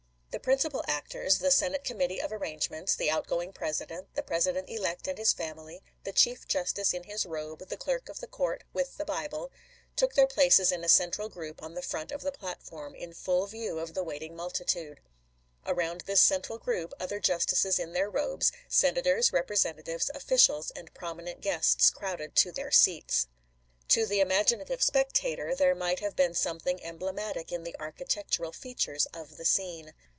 The principal actors — the Senate Committee of Arrangements, the out going President, the Presi dent elect and his family, the Chief Justice in his robe, the Clerk of the Court with the Bible — took their places in a central group on the front of the platform, in full view of the waiting multitude. Around this central group other Justices in their robes, Senators, Representatives, officials, and prominent guests crowded to their seats. To the imaginative spectator there might have been something emblematic in the architectural features of the scene.